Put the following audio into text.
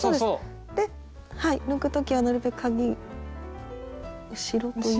で抜く時はなるべくかぎ後ろというか。